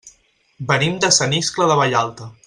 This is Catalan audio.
Venim de Sant Iscle de Vallalta.